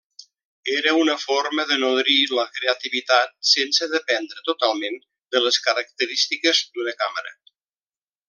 Era una forma de nodrir la creativitat sense dependre totalment de les característiques d'una càmera.